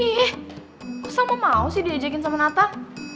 ih kok salma mau sih diajakin sama natan